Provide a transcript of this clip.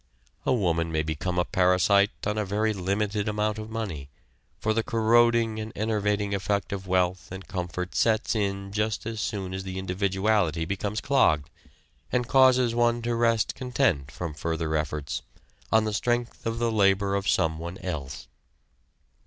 A woman may become a parasite on a very limited amount of money, for the corroding and enervating effect of wealth and comfort sets in just as soon as the individuality becomes clogged, and causes one to rest content from further efforts, on the strength of the labor of someone else.